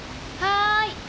はい。